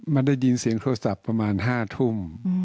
มันได้ยินเสียงโทรศัพท์ประมาณ๕ทุ่ม